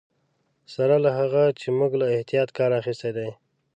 سره له هغه چې موږ له احتیاط کار اخیستی دی.